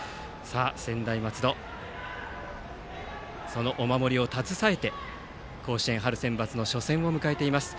専大松戸、そのお守りを携えて春センバツの初戦を迎えています。